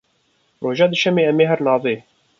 Roja duşemê em ê herin avê.